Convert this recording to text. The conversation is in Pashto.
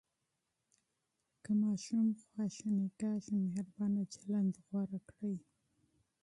که ماشوم غوصه کوي، مهربانه چلند غوره کړئ.